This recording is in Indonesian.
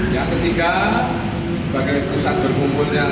yang ketiga sebagai pusat berkumpulnya